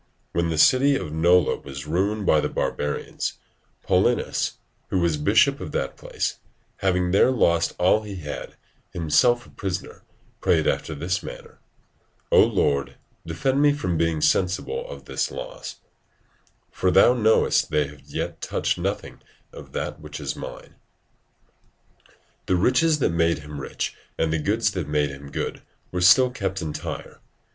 When the city of Nola was ruined by the barbarians, Paulinus, who was bishop of that place, having there lost all he had, himself a prisoner, prayed after this manner: "O Lord, defend me from being sensible of this loss; for Thou knowest they have yet touched nothing of that which is mine." [St. Augustin, De Civit. Dei, i. 10.] The riches that made him rich and the goods that made him good, were still kept entire.